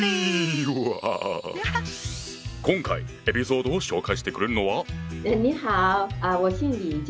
今回エピソードを紹介してくれるのは？